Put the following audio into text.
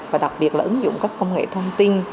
và đặc biệt là ứng dụng các công nghệ thông tin